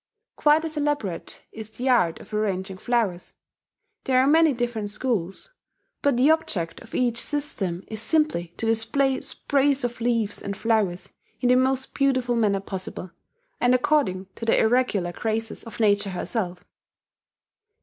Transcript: Quite as elaborate is the art of arranging flowers. There are many different schools; but the object of each system is simply to display sprays of leaves and flowers in the most beautiful manner possible, and according to the irregular graces of Nature herself.